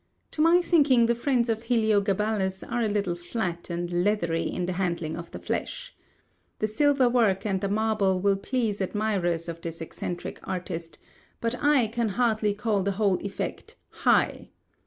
To my thinking the friends of Heliogabalus are a little flat and leathery in the handling of the flesh. The silver work, and the marble, will please admirers of this eccentric artist; but I can hardly call the whole effect "High."